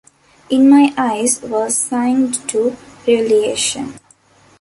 In My Eyes were signed to Revelation.